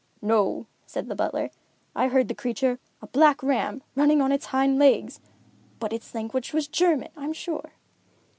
"No," said the butler. "I heard the creature a black ram, running on its hind legs; but its language was German, I'm sure."